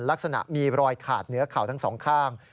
ลักษณะมีรอยขาดเหนือเข่าทั้งสองข้าง